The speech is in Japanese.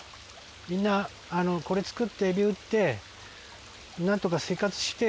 「みんなこれつくってエビ売ってなんとか生活してよ」